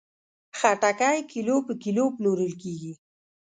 خټکی کیلو په کیلو پلورل کېږي.